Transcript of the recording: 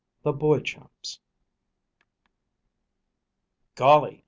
THE BOY CHUMS. "GOLLY!